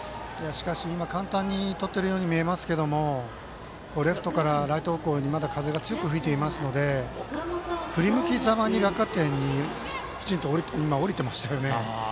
しかし今のは簡単にとっているように見えますけどもレフトからライト方向にまだ風が強く吹いていますので振り向きざまに落下点にきちんといましたよね。